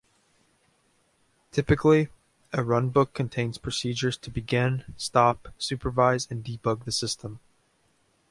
Typically, a runbook contains procedures to begin, stop, supervise, and debug the system.